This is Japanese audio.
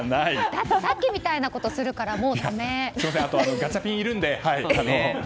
だってさっきみたいなことするからあとガチャピンがいるので。